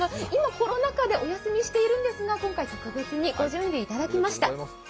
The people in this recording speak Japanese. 今、コロナ禍でお休みしているんですが、今回、特別にご準備いただきました